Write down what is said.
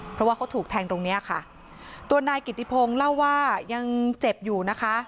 เพราะว่าเขาถูกแทงตรงเนี้ยค่ะตัวนายกิติพงศ์เล่าว่ายังเจ็บอยู่นะคะ